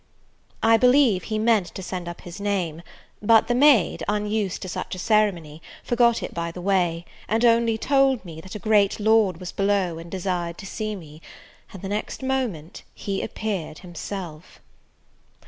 I believe he meant to sent up his name; but the maid, unused to such a ceremony, forgot it by the way, and only told me, that a great Lord was below, and desired to see me; and, the next moment, he appeared himself.